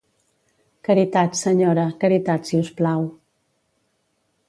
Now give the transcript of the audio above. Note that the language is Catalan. Caritat, Senyora, caritat si us plau.